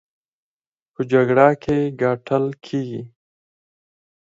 په جګړه کې ګټل کېږي،